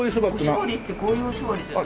おしぼりってこういうおしぼりじゃない。